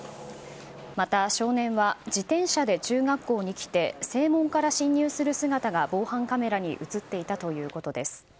また少年は自転車で中学校に来て正門から侵入する姿が防犯カメラに映っていたということです。